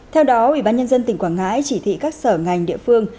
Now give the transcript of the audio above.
theo đó ủy ban nhân dân tỉnh quảng ngãi chỉ thị các sở ngành địa phương